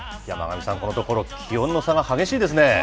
山神さん、このところ、気温の差が激しいですね。